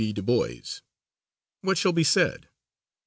B. DuBois, what shall be said?